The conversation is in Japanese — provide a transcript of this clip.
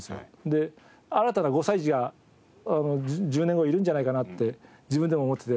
で新たな５歳児が１０年後いるんじゃないかなって自分でも思ってて。